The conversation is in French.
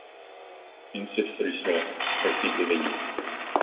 Une seule solution, rester éveillé.